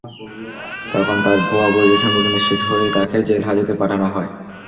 তখন তাঁর ভুয়া পরিচয় সম্পর্কে নিশ্চিত হয়ে তাঁকে জেলহাজতে পাঠানো হয়।